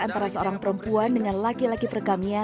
antara seorang perempuan dengan laki laki perekamnya